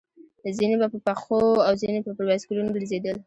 ځينې به په پښو او ځينې پر بایسکلونو ګرځېدل.